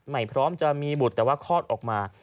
ไม่พร้อมจะมีบุตรแต่ว่าคลอดออกมา